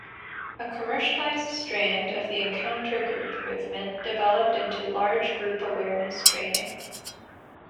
A commercialized strand of the encounter group movement developed into large-group awareness training.